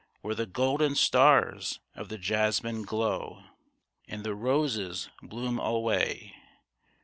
Where the golden stars of the jasmine glow. And the roses bloom alway